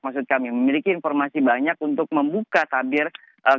maksud kami memiliki informasi banyak untuk membuka tabir